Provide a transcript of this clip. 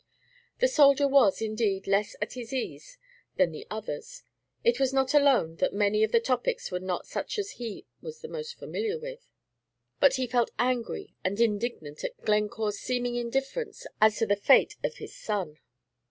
The soldier was, indeed, less at his ease than the others. It was not alone that many of the topics were not such as he was most familiar with, but he felt angry and indignant at Glencore's seeming indifference as to the fate of his son.